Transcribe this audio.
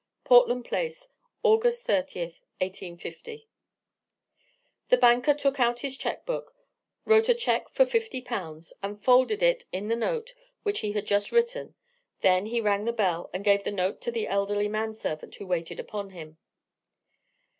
"Portland Place, August 30, 1850_." The banker took out his cheque book, wrote a cheque for fifty pounds, and folded it in the note which he had just written then he rang the bell, and gave the note to the elderly manservant who waited upon him.